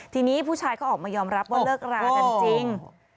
ทีนี้ผู้ชายเขาออกมายอมรับว่าเลิกรากันจริง